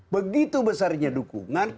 begitu besarnya dukungan